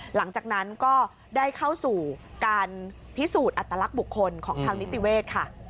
หลังจากนั้นก็ได้เข้าสู่การพิสูจน์อัตลักษณ์บุคคลของทางนิติเวศค่ะ